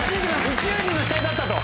宇宙人の死体だったと。